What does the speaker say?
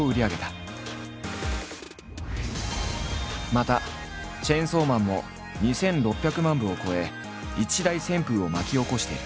また「チェンソーマン」も２，６００万部を超え一大旋風を巻き起こしている。